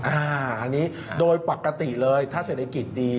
อันนี้โดยปกติเลยถ้าเศรษฐกิจดี